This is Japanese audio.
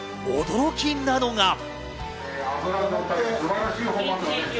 驚きなのが。